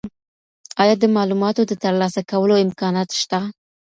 ایا د معلوماتو د ترلاسه کولو امکانات شته؟